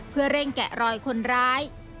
เพื่อเร่งแกะรอยคนร้าย